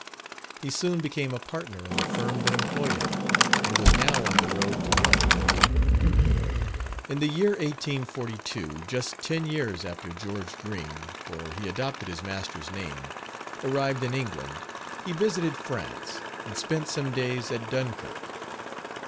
He soon became a partner in the firm that employed him, and was now on the road to wealth. In the year 1842, just ten years after George Green (for he adopted his master's name) arrived in England, he visited France, and spent some days at Dunkirk.